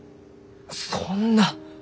そんな！？